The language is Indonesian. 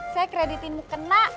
saya keriditi mukena